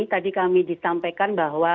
tadi kami disampaikan bahwa